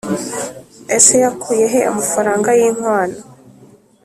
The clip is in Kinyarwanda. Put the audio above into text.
Ese yakuyehe amafaranga y’inkwano